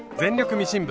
ミシン部」